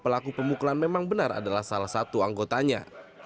pelaku pemukulan memang benar adalah salah satu anggotanya